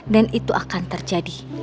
dan itu akan terjadi